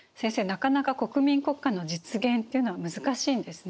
なかなか国民国家の実現っていうのは難しいんですね。